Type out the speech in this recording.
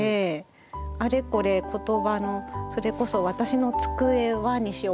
あれこれ言葉のそれこそ「私の机は」にしようかな